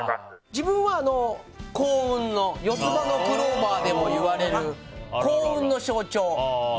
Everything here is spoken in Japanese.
自分は、幸運の四つ葉のクローバーでもいわれる幸運の象徴。